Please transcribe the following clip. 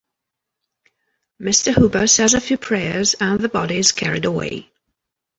Mr. Hooper says a few prayers and the body is carried away.